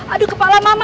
aduh kepala mama